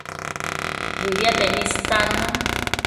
Dëbiatemi istannu